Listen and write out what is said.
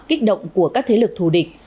kích động của các thế lực thù địch